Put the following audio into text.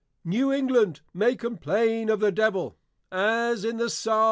New England may complain of the Devil, as in _Psal.